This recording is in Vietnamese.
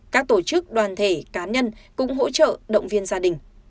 các tổ chức đoàn thể cá nhân cũng hỗ trợ động viên gia đình